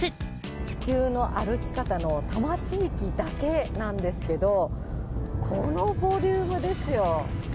地球の歩き方の多摩地域だけなんですけど、このボリュームですよ。